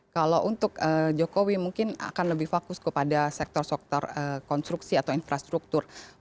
kalau untuk jokowi mungkin akan lebih fokus kepada sektor sektor konstruksi atau infrastruktur